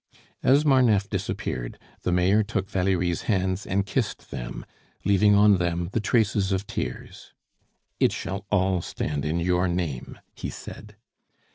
As Marneffe disappeared, the Mayor took Valerie's hands and kissed them, leaving on them the traces of tears. "It shall all stand in your name," he said.